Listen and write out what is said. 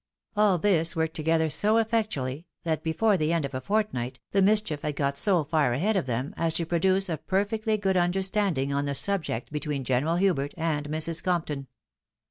AH this worked together so eflfectuaUy, that before the end of a fortnight, the mischief had got so far ahead of them, as to produce a per fectly good understanding on the subject between General Hubert and Mrs. Compton.